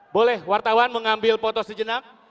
boleh wartawan mengambil foto sejenak